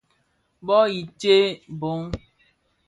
Bông i tséé bông.